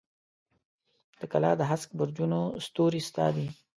د کلا د هسک برجونو ستوري ستا دي